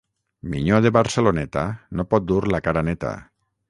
Minyó de Barceloneta no pot dur la cara neta.